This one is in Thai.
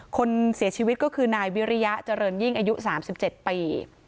คนเสียชีวิตก็คือนายวิริยะเจริญยิ่งอายุ๓๗ปี